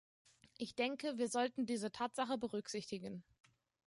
Ich denke, wir sollten diese Tatsache berücksichtigen.